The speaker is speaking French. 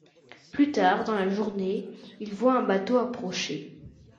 Plus tard dans la journée, il voit un bateau approcher.